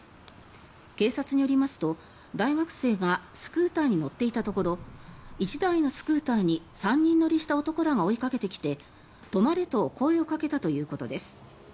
警察によりますと、大学生がスクーターに乗っていたところ１台のスクーターに３人乗りした男らが追いかけてきて止まれと声をかけたということです。